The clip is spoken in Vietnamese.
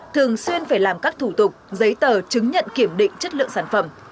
thường xuyên phải làm các thủ tục giấy tờ chứng nhận kiểm định chất lượng sản phẩm